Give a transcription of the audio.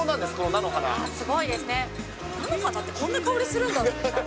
菜の花ってこんな香りするんだって。